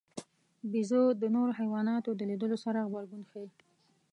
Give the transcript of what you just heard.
بیزو د نورو حیواناتو د لیدلو سره غبرګون ښيي.